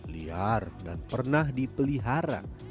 liar dan pernah dipelihara